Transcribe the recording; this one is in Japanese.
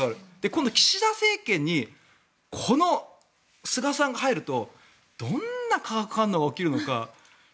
今度、岸田政権に菅さんが入るとどんな化学反応が起きるのか